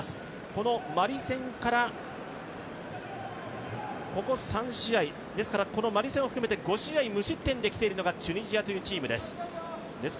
このマリ戦からここ３試合、ですからこのマリ戦含めて５試合無失点できているのがチュニジアというチームです。